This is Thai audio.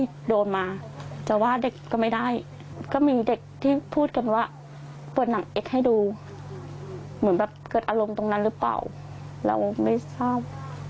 หลังจากนี้ต่อไปนี่จะทำยังไงครับจะให้น้องอยู่ที่นี่ต่อไปหรือว่าจะย้าย